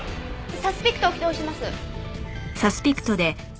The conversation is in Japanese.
サスピクトを起動します！